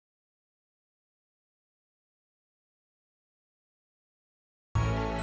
ya sudah senang sampai ketemu slash buku maafkan bru buys